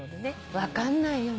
分かんないよね。